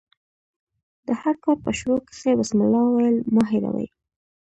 د هر کار په شروع کښي بسم الله ویل مه هېروئ!